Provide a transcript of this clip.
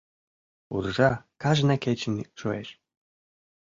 Уржа кажне кечын шуэш.